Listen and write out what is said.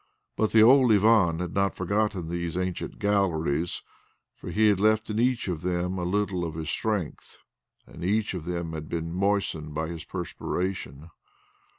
But the old Ivan had not forgotten these ancient galleries, for he had left in each of them a little of his strength, and each of them had been moistened by his perspiration.